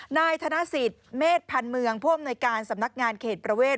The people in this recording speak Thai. นายธนสิทธิ์เมษพันธ์เมืองผู้อำนวยการสำนักงานเขตประเวท